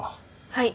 はい。